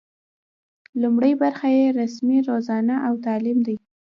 لومړۍ برخه یې رسمي روزنه او تعلیم دی.